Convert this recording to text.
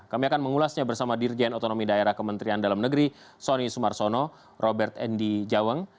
kami akan mengulasnya bersama dirjen otonomi daerah kementerian dalam negeri sony sumarsono robert endi jaweng